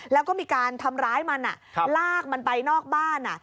แล้วก็มีการทำร้ายมันลากมันไปนอกบ้าน